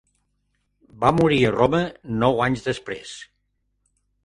Va morir a Roma nou anys després.